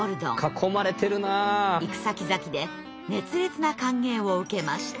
行くさきざきで熱烈な歓迎を受けました。